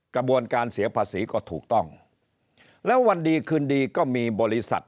กระบวนการเสียภาษีก็ถูกต้องแล้ววันดีคืนดีก็มีบริษัท